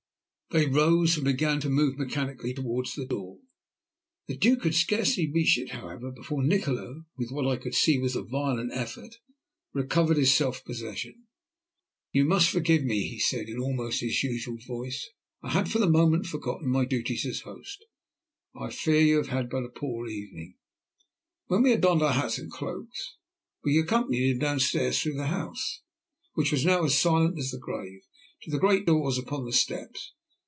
They rose and began to move mechanically towards the door. The Duke had scarcely reached it, however, before Nikola, with what I could see was a violent effort, recovered his self possession. "You must forgive me," he said in almost his usual voice. "I had for the moment forgotten my duties as host. I fear you have had but a poor evening." When we had donned our hats and cloaks, we accompanied him down stairs through the house, which was now as silent as the grave, to the great doors upon the steps.